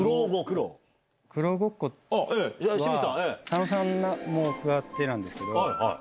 佐野さんも加わってなんですけど。